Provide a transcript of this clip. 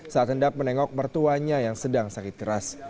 saat hendak menengok mertuanya yang sedang sakit keras